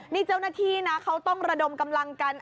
นี่เจ้าหน้าที่นะเขาต้องระดมกำลังกัน